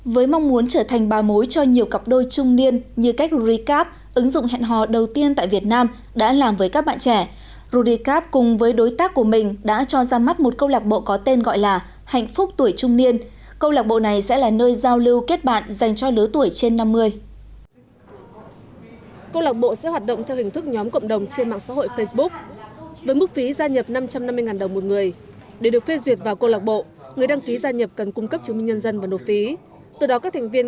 với mong muốn trở thành ba mối cho nhiều cặp đôi trung niên như cách rudicap ứng dụng hẹn hò đầu tiên tại việt nam đã làm với các bạn trẻ rudicap cùng với đối tác của mình đã cho ra mắt một câu lạc bộ có tên gọi là hạnh phúc tuổi trung niên câu lạc bộ này sẽ là nơi giao lưu kết bạn dành cho lứa tuổi trên năm mươi